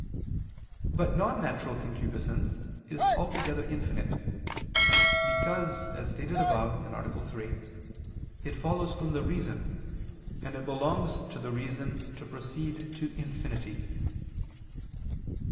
But non natural concupiscence is altogether infinite. Because, as stated above (A. 3), it follows from the reason, and it belongs to the reason to proceed to infinity.